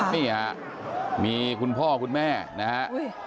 นี่ฮะมีคุณพ่อคุณแม่นะฮะ